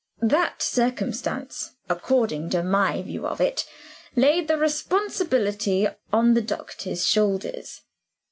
That circumstance, according to my view of it, laid the responsibility on the doctor's shoulders.